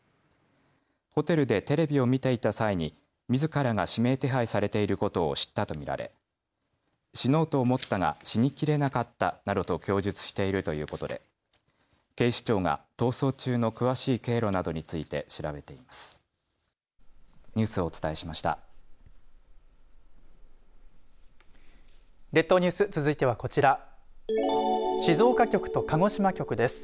ホテルでテレビを見ていた際にみずからが指名手配されていることを知ったと見られ死のうと思ったが死にきれなかったなどと供述しているということで警視庁が逃走中の詳しい経路などについて調べています。